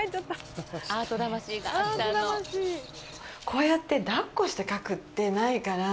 こうやってだっこして描くってないから。